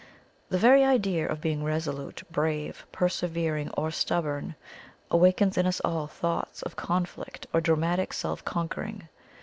The very idea of being resolute, brave, persevering or stubborn, awakens in us all thoughts of conflict or dramatic self conquering.